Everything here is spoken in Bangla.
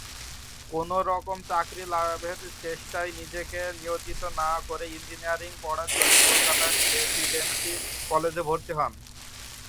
কোন রকম চাকরি লাভের চেষ্টায় নিজেকে নিয়োজিত না করে ইঞ্জিনিয়ারিং পড়ার জন্য কলকাতার প্রেসিডেন্সি কলেজে ভর্তি হন।